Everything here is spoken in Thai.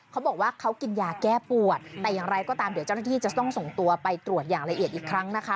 เขาบอกว่าเขากินยาแก้ปวดแต่อย่างไรก็ตามเดี๋ยวเจ้าหน้าที่จะต้องส่งตัวไปตรวจอย่างละเอียดอีกครั้งนะคะ